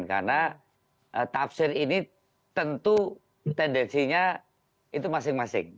karena tafsir ini tentu tendensinya itu masing masing